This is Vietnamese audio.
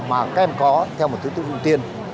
mà các em có theo một thứ tư vụ tiên